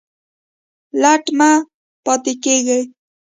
لټ مه پاته کیږئ